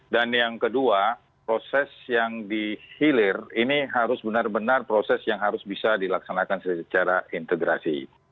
dan yang kedua proses yang dihilir ini harus benar benar proses yang harus bisa dilaksanakan secara integrasi